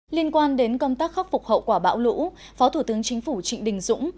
liên quan đến công tác khắc phục hậu quả bão lũ phó thủ tướng chính phủ trịnh đình dũng